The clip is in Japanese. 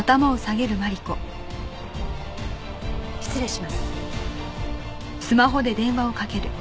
失礼します。